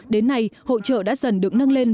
đến nay hội trợ đã dần được nâng lên